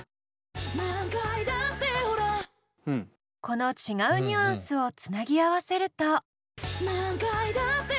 この違うニュアンスをつなぎ合わせると。